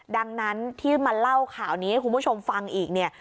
ดังนั้นที่มาเล่าข่าวนี้ให้คุณผู้ชมฟังอีกเนี่ย